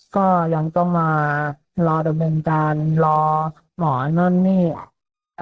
ก็ยังต้องมารอดับเหมือนกันรอหมอนั่นนี่อ่ะ